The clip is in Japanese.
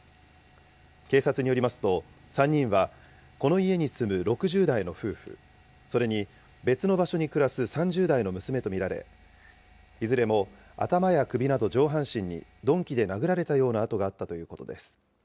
警察によりますと、３人はこの家に住む６０代の夫婦、それに別の場所に暮らす３０代の娘と見られ、いずれも頭や首など上半身に、鈍器で殴られたような痕があったということです。